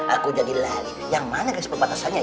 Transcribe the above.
aku udah diri yang mana garis pembatasannya ya